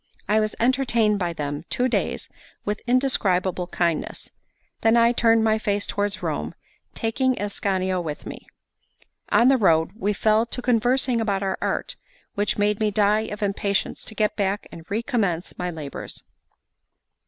I was entertained by them two days with indescribable kindness; then I turned my face towards Rome, taking Ascanio with me. On the road we fell to conversing about our art, which made me die of impatience to get back and recommence my labours.